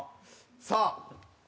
さあ。